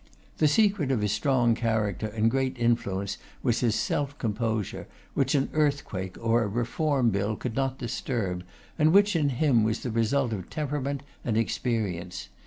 The secret of his strong character and great influence was his self composure, which an earthquake or a Reform Bill could not disturb, and which in him was the result of temperament and experience.